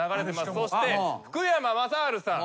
そして福山雅治さん見てます。